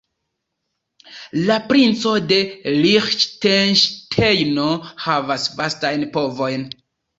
La Princo de Liĥtenŝtejno havas vastajn povojn.